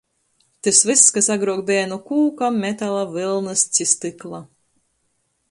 Tys vyss, kas agruok beja nu kūka, metala, vylnys ci stykla.